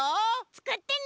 つくってね！